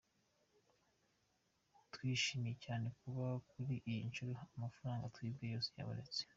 Twishimye cyane kuba kuri iyi nshuro amafaranga twibwe yose yabonetse.